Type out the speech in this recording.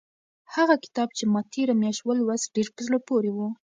هغه کتاب چې ما تېره میاشت ولوست ډېر په زړه پورې و.